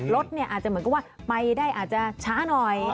รถเนี่ยอาจจะเหมือนกับว่าไปได้อาจจะช้าหน่อย